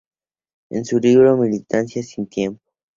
En su libro, "Militancia sin tiempo.